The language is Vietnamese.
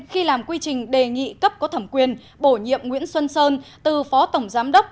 khi làm quy trình đề nghị cấp có thẩm quyền bổ nhiệm nguyễn xuân sơn từ phó tổng giám đốc